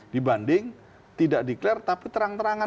dibanding tidak declare tapi terang terangan